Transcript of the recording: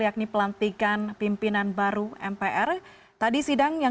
demi kepentingan bangsa